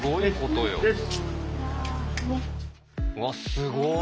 うわすごい！